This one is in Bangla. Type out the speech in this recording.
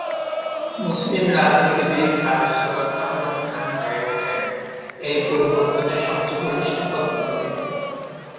মুসলিম রাজনীতিবিদ স্যার সৈয়দ আহমদ খান হয়ে ওঠে এই পরিবর্তনের সবচেয়ে বলিষ্ঠ প্রতিদ্বন্দ্বী।